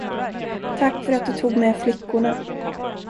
Tack för att du tog med flickorna.